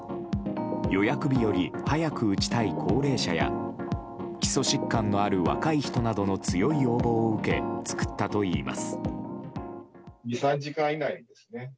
予約日より早く打ちたい高齢者や基礎疾患のある若い人などの強い要望を受け作ったといいます。